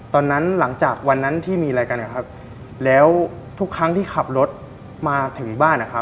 ตอนนั้นหลังจากวันนั้นที่มีอะไรกันครับแล้วทุกครั้งที่ขับรถมาถึงบ้าน